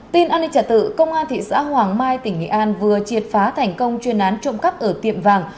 tin an ninh trả tự công an thị xã hoàng mai tỉnh nghệ an vừa triệt phá thành công chuyên án trộm cắp ở tiệm vàng